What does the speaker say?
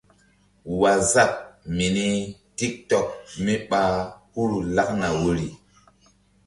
Waazap mini tik tok mí ɓa huru lakna woyri.